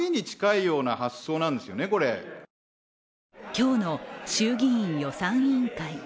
今日の衆議院予算委員会。